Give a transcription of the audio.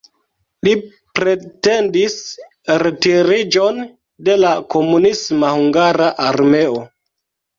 Li pretendis retiriĝon de la komunisma hungara armeo.